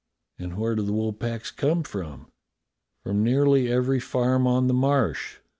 "And where do the wool packs come from?" "From nearly every farm on the Marsh."